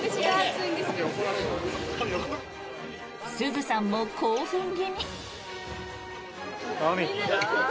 すずさんも興奮気味。